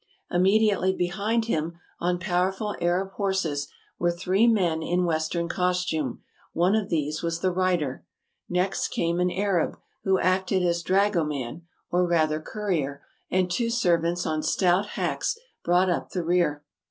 Immediately behind him, on powerful Arab horses, were three men in Western costume ; one of these was the writer. Next came an Arab, who acted as dragoman, or rather courier, and two servants on stout hacks brought up the rear.